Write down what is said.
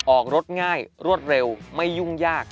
ออกรถง่ายรวดเร็วไม่ยุ่งยาก